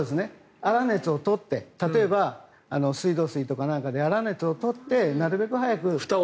粗熱を取って例えば水道水とかなんかで粗熱を取ってなるべく早く。